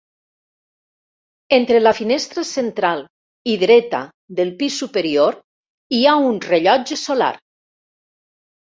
Entre la finestra central i dreta del pis superior hi ha un rellotge solar.